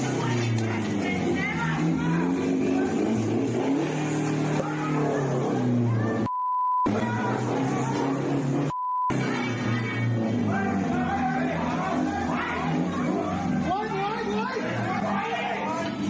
สองคนที่เฝ้นกันได้ดีเลยทุกคนที่ทั่วภาพยาบาล